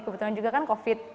kebetulan juga kan covid